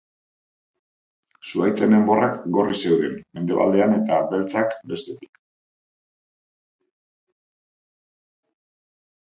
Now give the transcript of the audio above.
Zuhaitzen enborrak gorri zeuden mendebaldean eta beltzak bestetik.